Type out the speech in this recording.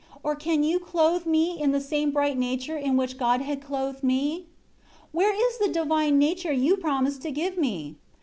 Or can you clothe me in the same bright nature in which God had clothed me? 4 Where is the divine nature you promised to give me?